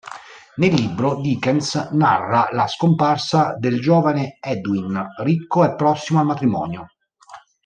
Nel libro, Dickens narra la scomparsa del giovane Edwin, ricco e prossimo al matrimonio.